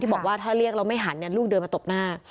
บอกว่าถ้าเรียกแล้วไม่หันลูกเดินมาตบหน้า